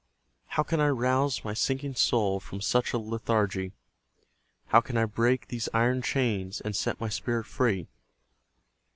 How can I rouse my sinking soul From such a lethargy? How can I break these iron chains And set my spirit free?